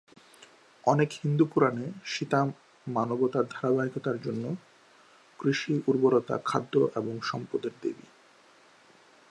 অনেক হিন্দু পুরাণে, সীতা মানবতার ধারাবাহিকতার জন্য কৃষি, উর্বরতা, খাদ্য এবং সম্পদের দেবী।